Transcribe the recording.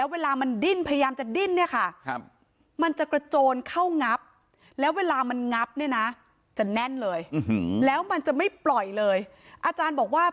เวลามันโดนจับ